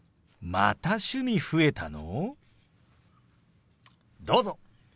また趣味増えたの！？